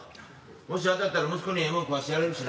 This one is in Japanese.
もし当たったら息子にええもん食わしてやれるしな。